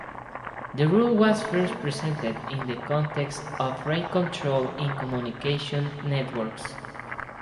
The rule was first presented in the context of rate control in communication networks.